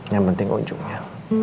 yang penting ujungnya